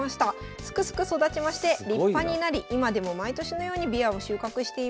すくすく育ちまして立派になり今でも毎年のようにびわを収穫しています。